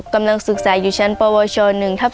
กำลังศึกษาอยู่ชั้นปวช๑ทับ๑